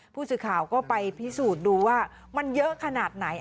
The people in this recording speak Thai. ผู้สื่อข่าวก็ไปพิสูจน์ดูว่ามันเยอะขนาดไหน